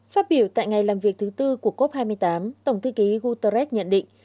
phát biểu tại ngày làm việc thứ tư của cop hai mươi tám tổng thư ký guterres nhận định